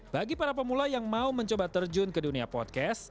bagi para pemula yang mau mencoba terjun ke dunia podcast